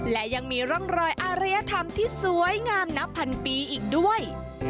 และยังมีร่องรอยอารยธรรมที่สวยงามนับพันปีอีกด้วย